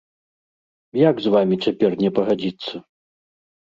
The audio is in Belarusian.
Як з вамі цяпер не пагадзіцца?